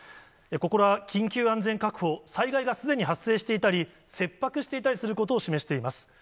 ここは緊急安全確保、災害がすでに発生していたり、切迫していたりすることを示しています。